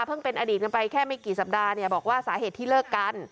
เป็นอดีตกันไปแค่ไม่กี่สัปดาห์เนี่ยบอกว่าสาเหตุที่เลิกกัน